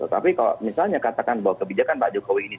tapi kalau misalnya katakan bahwa kebijakan pak jokowi ini